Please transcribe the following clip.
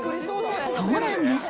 そうなんです。